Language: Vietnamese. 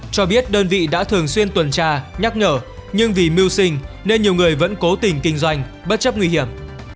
cho biết đơn vị đã thường xuyên tuần tra nhắc nhở nhưng vì mưu sinh nên nhiều người vẫn cố tình kinh doanh bất chấp nguy hiểm